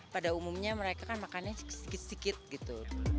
pada umumnya mereka kan makannya sikit sikit gitu